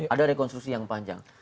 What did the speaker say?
ada rekonstruksi yang panjang